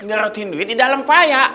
ngarotin duit di dalam payah